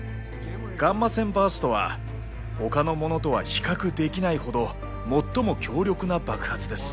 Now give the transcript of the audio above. ガンマ線バーストはほかのものとは比較できないほど最も強力な爆発です。